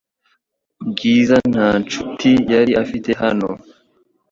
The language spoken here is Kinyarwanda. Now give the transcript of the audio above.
Bwiza nta nshuti yari afite hano .